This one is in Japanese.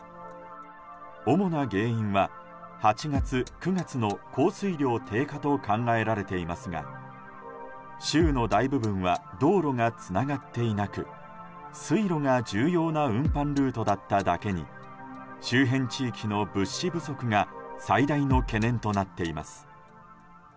主な原因は８月、９月の降水量低下と考えられていますが州の大部分は道路がつながっていなく水路が重要な運搬ルートだっただけに周辺地域の物資不足が最大の懸念となっています。